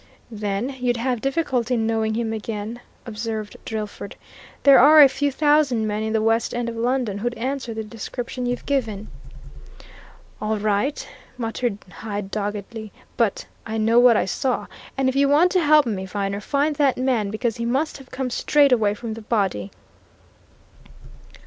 "Then you'd have difficulty in knowing him again," observed Drillford. "There are a few thousand men in the West End of London who'd answer the description you've given." "All right!" muttered Hyde doggedly. "But I know what I saw. And if you want to help me, Viner, find that man because he must have come straight away from the body!"